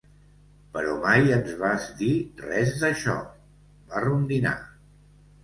"Però mai ens en vas dir res, d'això", va rondinar.